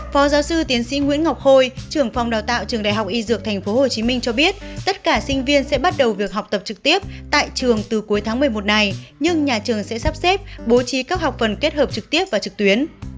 phó giáo sư tiến sĩ nguyễn ngọc khôi trưởng phòng đào tạo trường đại học y dược tp hcm cho biết tất cả sinh viên sẽ bắt đầu việc học tập trực tiếp tại trường từ cuối tháng một mươi một này nhưng nhà trường sẽ sắp xếp bố trí các học phần kết hợp trực tiếp và trực tuyến